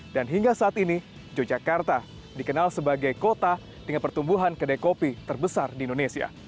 dan hingga saat ini yogyakarta dikenal sebagai kota dengan pertumbuhan kedai kopi terbesar di indonesia